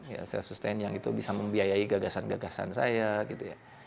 ya self sustain yang itu bisa membiayai gagasan gagasan saya gitu ya